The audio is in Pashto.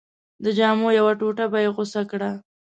د جامو یوه ټوټه به یې غوڅه کړه.